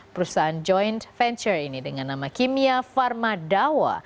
perusahaan joint venture ini dengan nama kimia pharma dawa